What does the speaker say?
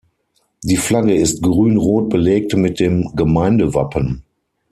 Die Flagge ist grün-rot belegt mit dem Gemeindewappen.